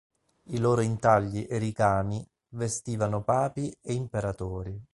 I loro intagli e ricami, vestivano papi e imperatori.